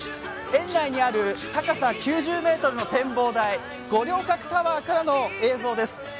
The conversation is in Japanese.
園内にある高さ９０ｍの展望台、五稜郭タワーからの映像です。